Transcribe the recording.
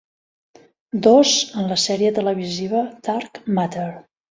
Dos en la sèrie televisiva "Dark Matter".